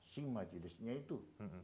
si majelisnya itu